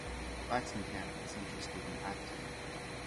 Laxmikant was interested in acting.